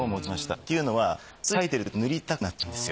っていうのはつい描いてると塗りたくなっちゃうんですよ。